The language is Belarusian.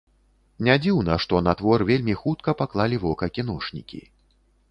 Нядзіўна, што на твор вельмі хутка паклалі вока кіношнікі.